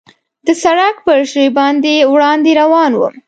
د سړک پر ژۍ باندې وړاندې روان ووم.